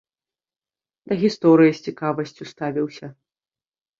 Да гісторыі з цікавасцю ставіўся.